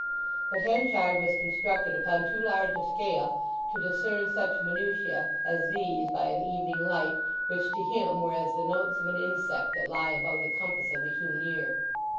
But Henchard was constructed upon too large a scale to discern such minutiæ as these by an evening light, which to him were as the notes of an insect that lie above the compass of the human ear.